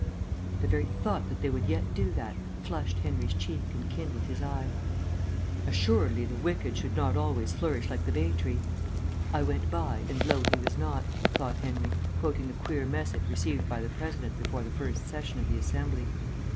The very thought that they would yet do that flushed Henry's cheek and kindled his eye. Assuredly the wicked should not always flourish like the bay tree. "I went by, and lo he was not," thought Henry, quoting the queer message received by the President before the first session of the Assembly.